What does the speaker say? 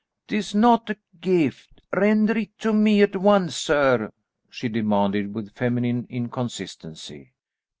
"'Tis not a gift; render it to me at once, sir," she demanded with feminine inconsistency.